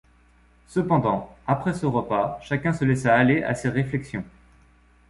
Cependant, après ce repas, chacun se laissa aller à ses réflexions.